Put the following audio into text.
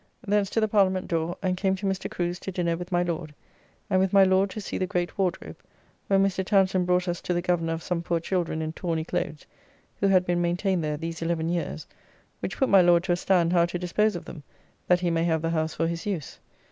Thence to the Parliament door and came to Mr. Crew's to dinner with my Lord, and with my Lord to see the great Wardrobe, where Mr. Townsend brought us to the governor of some poor children in tawny clothes; who had been maintained there these eleven years, which put my Lord to a stand how to dispose of them, that he may have the house for his use.